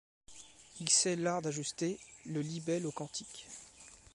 Il sait l'art d'ajuster le libelle au cantique ;